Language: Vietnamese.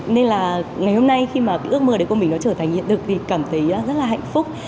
nên là ngày hôm nay khi mà ước mơ của mình trở thành hiện thực thì cảm thấy rất là hạnh phúc